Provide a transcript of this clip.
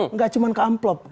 enggak cuma ke amplop